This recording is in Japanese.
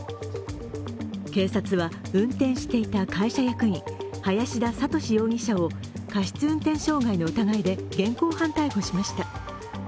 警察は、運転していた会社役員林田覚容疑者を過失運転傷害の疑いで現行犯逮捕しました。